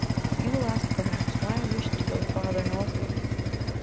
You will ask, perhaps, why I wished to go farther northward.